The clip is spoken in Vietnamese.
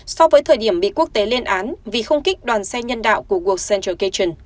so với thời điểm bị quốc tế lên án vì không kích đoàn xe nhân đạo của worl central cation